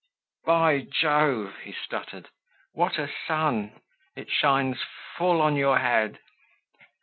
"By Jove!" he stuttered, "what a sun! It shines full on your head!"